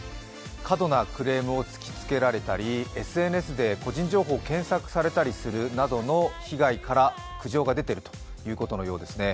過度なクレームを突きつけられたり、ＳＮＳで個人情報を検索されたりすることによる被害から苦情が出ているということのようですね。